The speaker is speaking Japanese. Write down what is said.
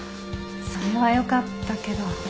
それはよかったけど。